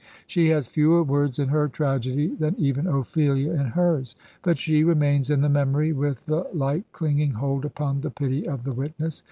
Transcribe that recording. She has fewer words in her tragedy than even Ophelia in hers ; but she remains in the memory with the Uke clinging hold upon the pity of the witness.